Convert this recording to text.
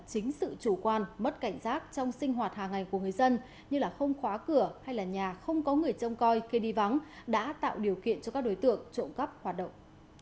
chính sự chủ quan mất cảnh giác trong sinh hoạt hàng ngày của người dân như không khóa cửa hay là nhà không có người trông coi khi đi vắng đã tạo điều kiện cho các đối tượng trộm cắp hoạt động